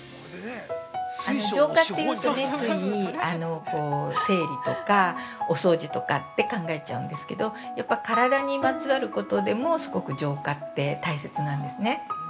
◆浄化っていうと、つい整理とか、お掃除とかって考えちゃうんですけど、体にまつわることでも、すごく、浄化って大切なんですね。